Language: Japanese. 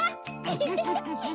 フフフ。